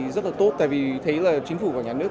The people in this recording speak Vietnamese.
rất là tốt tại vì thấy là chính phủ và nhà nước